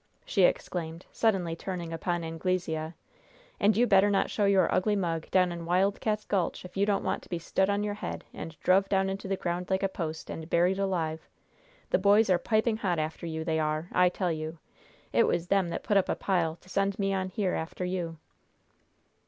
she exclaimed, suddenly turning upon Anglesea. "And you better not show your ugly mug down in Wild Cats' Gulch, if you don't want to be stood on your head and druv down into the ground like a post, and buried alive! The boys are piping hot after you, they are, I tell you! It was them that put up a pile to send me on here after you!"